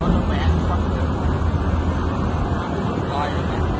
เอากุญแจรถออกมารถก็ได้